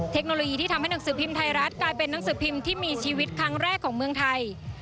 เทคโนโลยีที่ทำให้หนังสือพิมพ์ไทยรัฐกลายเป็นหนังสือพิมพ์ที่มีชีวิตครั้งแรกของเมืองไทย